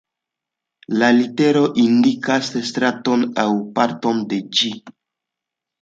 La literoj indikas straton aŭ parton de ĝi.